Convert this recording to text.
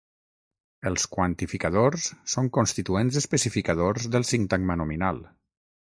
Els quantificadors són constituents especificadors del sintagma nominal.